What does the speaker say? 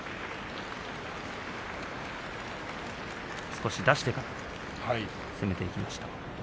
少し出してから攻めていきました。